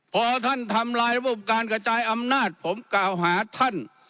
พอท่านทำลายระบบการกระจายอำนาจผมกล่าวหาท่าน